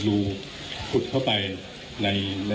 คุณผู้ชมไปฟังผู้ว่ารัฐกาลจังหวัดเชียงรายแถลงตอนนี้ค่ะ